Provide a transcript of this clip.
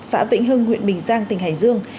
xã vĩnh hưng huyện bình giang tỉnh hải dương